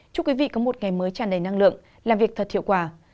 chúc quý vị có một ngày mới tràn đầy năng lượng làm việc thật hiệu quả